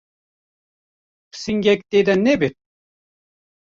-- Pisingek tê de nebit?